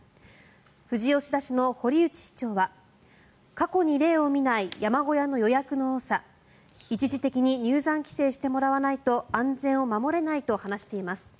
富士吉田市の堀内市長は過去に例を見ない山小屋の予約の多さ一時的に入山規制してもらわないと安全を守れないと話しています。